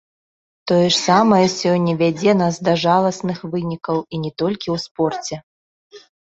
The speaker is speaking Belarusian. Тое ж самае сёння вядзе нас да жаласных вынікаў, і не толькі ў спорце.